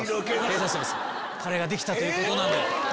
カレーができたということなんで。